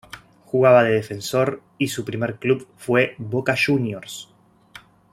Jugaba de defensor y su primer club fue Boca Juniors.